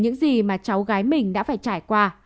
những gì mà cháu gái mình đã phải trải qua